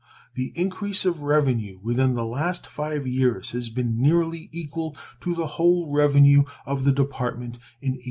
The increase of revenue within the last five years has been nearly equal to the whole revenue of the Department in 1812.